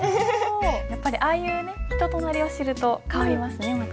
やっぱりああいうね人となりを知ると変わりますねまた。